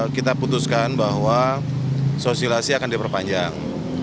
kita putuskan bahwa sosialisasi akan diperpanjang